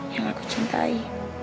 yang aku cintai